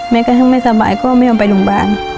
แม้กระทั่งไม่สบายก็ไม่เอาไปโรงบาล